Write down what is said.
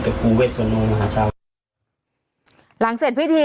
จัดกระบวนพร้อมกัน